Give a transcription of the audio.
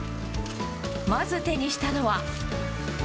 まず手にしたのは。